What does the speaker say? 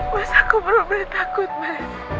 mas aku bener bener takut mas